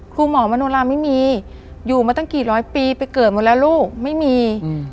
ครูหมอมโนราไม่มีอยู่มาตั้งกี่ร้อยปีไปเกิดหมดแล้วลูกไม่มี